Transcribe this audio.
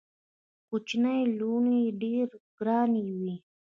کوچنۍ لوڼي ډېري ګراني وي.